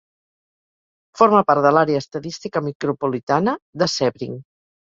Forma part de l'àrea estadística micropolitana de Sebring.